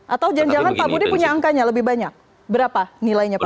atau jangan jangan pak budi punya angkanya lebih banyak berapa nilainya pak